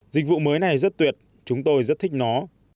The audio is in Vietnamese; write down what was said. dịch vụ mới này rất tuyệt chúng tôi rất thích nó